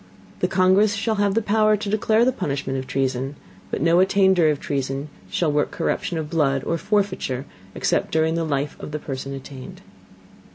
The Congress shall have power to declare the punishment of Treason, but no Attainder of Treason shall work Corruption of Blood, or Forfeiture except during the Life of the Person attainted.